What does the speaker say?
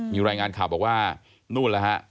มีรายงานข่าวบอกว่านู่นแล้วฮะ